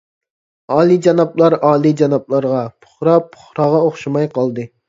ئالىيجانابلار ئالىيجانابلارغا، پۇقرا پۇقراغا ئوخشىماي قالدى.